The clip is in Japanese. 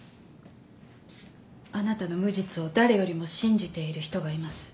あなたの無実を誰よりも信じている人がいます。